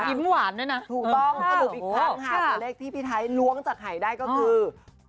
ทางหาแต่เลขที่พี่ไทยลวงจัดหายได้ก็คือ